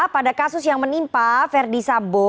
pada kasus yang menimpa verdi sambo